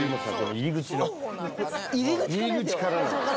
入り口から。